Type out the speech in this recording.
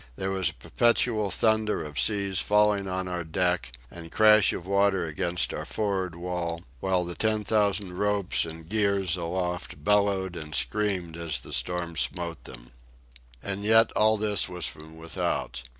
There was a perpetual thunder of seas falling on our deck and crash of water against our for'ard wall; while the ten thousand ropes and gears aloft bellowed and screamed as the storm smote them. And yet all this was from without.